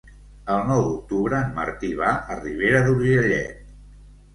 El nou d'octubre en Martí va a Ribera d'Urgellet.